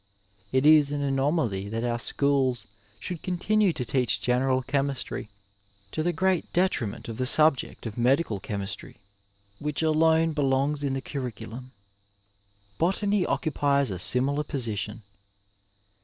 It b an anomaly that our schools should continue to teach general chemistry, to the great detriment of the subject of medical chemistry, which alone belongs in the curriculum. Botany occupies a similar position.